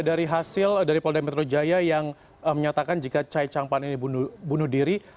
dari hasil dari polda metro jaya yang menyatakan jika chai chang pan ini bunuh diri